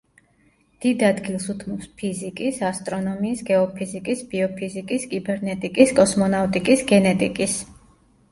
დიდ ადგილს უთმობს ფიზიკის, ასტრონომიის, გეოფიზიკის, ბიოფიზიკის, კიბერნეტიკის, კოსმონავტიკის, გენეტიკის.